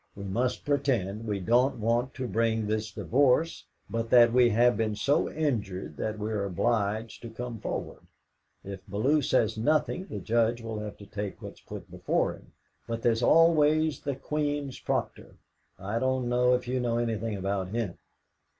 We must pretend we don't want to bring this divorce, but that we have been so injured that we are obliged to come forward. If Bellew says nothing, the Judge will have to take what's put before him. But there's always the Queen's Proctor. I don't know if you know anything about him?"